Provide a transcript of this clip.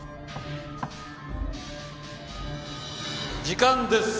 時間です！